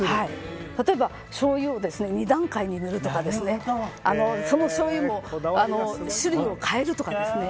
例えば、醤油を２段階に塗るとかそのしょうゆも種類を変えるとかですね